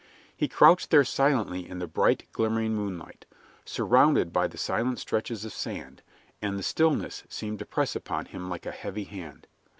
He crouched there silently in the bright, glimmering moonlight, surrounded by the silent stretches of sand, and the stillness seemed to press upon him like a heavy hand.